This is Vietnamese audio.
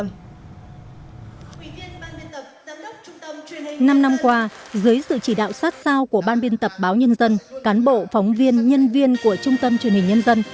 năm năm qua dưới sự chỉ đạo sát sao của ban biên tập báo nhân dân cán bộ phóng viên nhân viên của trung tâm truyền hình nhân dân